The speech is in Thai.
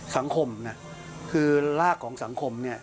สังคมคือรากของสังคม